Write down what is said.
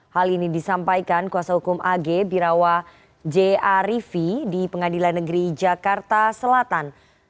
hal ini disampaikan kuasa hukum ag birawa j arifi di pengadilan negeri jakarta selatan